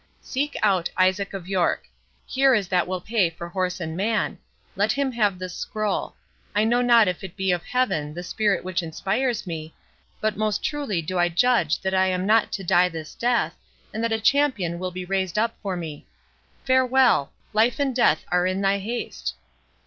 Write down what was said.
Seek out Isaac of York—here is that will pay for horse and man—let him have this scroll.—I know not if it be of Heaven the spirit which inspires me, but most truly do I judge that I am not to die this death, and that a champion will be raised up for me. Farewell!—Life and death are in thy haste."